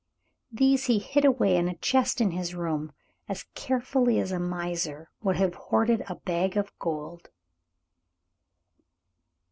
These he hid away in a chest in his room, as carefully as a miser would have hoarded a bag of gold.